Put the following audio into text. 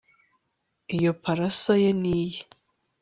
iyo parasol yera ni iye